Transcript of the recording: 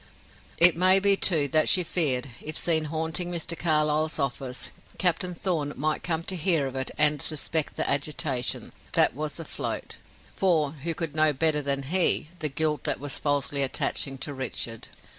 It may be too, that she feared, if seen haunting Mr. Carlyle's office, Captain Thorn might come to hear of it and suspect the agitation, that was afloat for who could know better than he, the guilt that was falsely attaching to Richard?